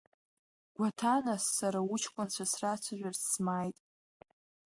Гәаҭанас, сара уҷкәынцәа срацәажәарц смааит.